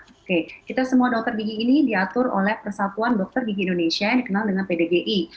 oke kita semua dokter gigi ini diatur oleh persatuan dokter gigi indonesia yang dikenal dengan pdgi